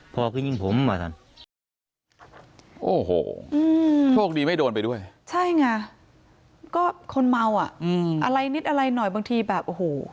ใช่ไงก็คนเมาอ่ะอะไรนิดอะไรหน่อยบางทีแบบโอ้โห